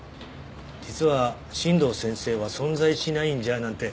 「実は新道先生は存在しないんじゃ？」なんて